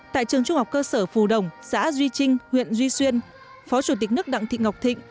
tại trường trung học cơ sở phù đồng xã duy trinh huyện duy xuyên phó chủ tịch nước đặng thị ngọc thịnh